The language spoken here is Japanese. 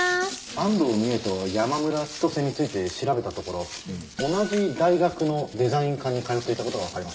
安藤美絵と山村千歳について調べたところ同じ大学のデザイン科に通っていた事がわかりました。